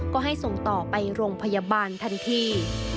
ก็ให้ส่งต่อไปโรงพยาบาลทันที